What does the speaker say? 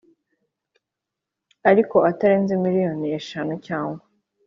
Ariko atarenze miliyoni eshanu cyangwa